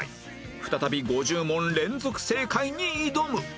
再び５０問連続正解に挑む！